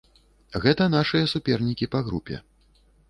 Гэта нашыя супернікі па групе.